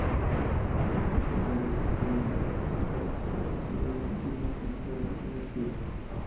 Tras lo cual regresa a Estudiantes a jugar sus dos últimas temporadas en activo.